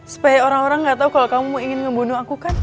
supaya orang orang gak tau kalau kamu ingin membunuh aku kan